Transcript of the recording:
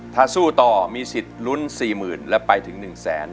ถ้าสู้ต่อมีสิทธิ์ลุ้นสี่หมื่นและไปถึงหนึ่งแสน